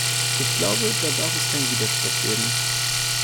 Ich glaube, da darf es keinen Widerspruch geben.